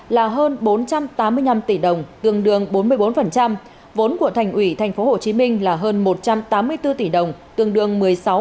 là hơn bốn trăm tám mươi năm tỷ đồng tương đương bốn mươi bốn vốn của thành ủy tp hcm là hơn một trăm tám mươi bốn tỷ đồng tương đương một mươi sáu